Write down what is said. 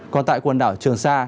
còn tại quần đảo trường sa